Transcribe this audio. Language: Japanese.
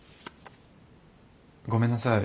ごめんなさい